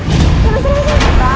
saya keluar saya keluar